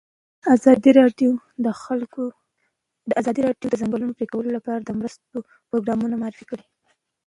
ازادي راډیو د د ځنګلونو پرېکول لپاره د مرستو پروګرامونه معرفي کړي.